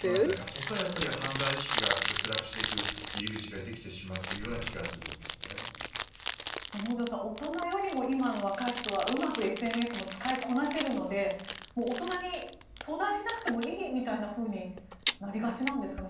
そこから犯罪意識が欠落していく入り口ができてしまっているような能條さん、大人よりも今の若い人はＳＮＳも使いこなせるので大人に相談しなくてもいいみたいになりがちなんですかね。